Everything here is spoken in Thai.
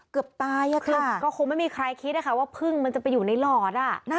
เกือบตายคือก็คงไม่มีใครคิดนะคะว่าพึ่งมันจะไปอยู่ในหลอด